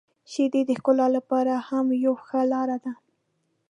• شیدې د ښکلا لپاره هم یو ښه لاره ده.